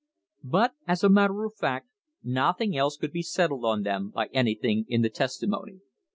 But, as a matter of fact, nothing else could be settled on them by anything in the testimony.